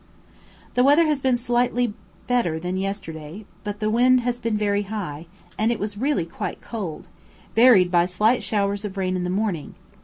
The weather has been slightly better than yesterday, but the wind has been high, and it was really quite cold; varied by slight showers of rain in the morning.